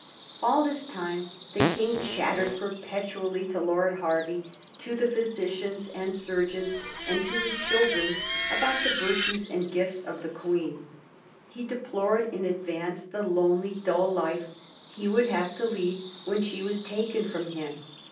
All this time the King chattered perpetually to Lord Hervey, to the phy sicians and surgeons, and to his children, about the virtues VOL. II. — 6 122 A HISTORT OF THE FOUB 6E0R6E& cazzix. and gifts of the Queen. He deplored in advance the lone ly, dull life he would have to lead when she was taken from him.